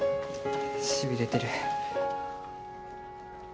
しびれてる。